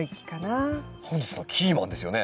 本日のキーマンですよね